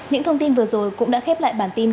những thông tin vừa rồi cũng đã khép lại bản tin